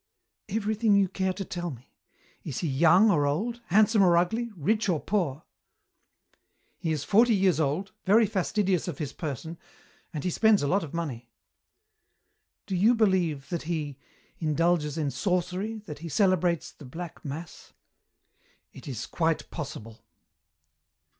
"Everything you care to tell me. Is he young or old, handsome or ugly, rich or poor?" "He is forty years old, very fastidious of his person, and he spends a lot of money." "Do you believe that he indulges in sorcery, that he celebrates the black mass?" "It is quite possible."